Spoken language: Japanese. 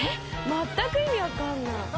まったく意味分かんない。